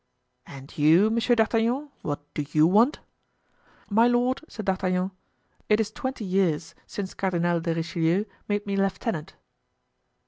"And you, Monsieur D'Artagnan, what do you want?" "My lord," said D'Artagnan, "it is twenty years since Cardinal de Richelieu made me lieutenant."